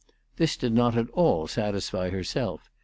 This did not at all satisfy herself.